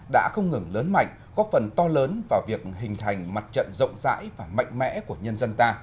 đã không ngừng lớn mạnh góp phần to lớn vào việc hình thành mặt trận rộng rãi và mạnh mẽ của nhân dân ta